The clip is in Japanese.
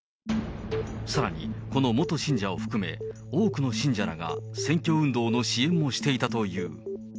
さらにこの元信者を含め、多くの信者らが選挙運動の支援をしていたという。